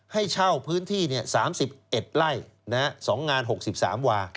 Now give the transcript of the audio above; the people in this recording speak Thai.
ให้เช่าพื้นที่๓๑ไร่๒งาน๖๓วา